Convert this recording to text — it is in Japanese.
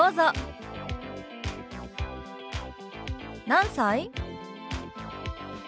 「何歳？」。